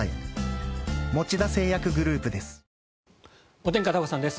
お天気、片岡さんです。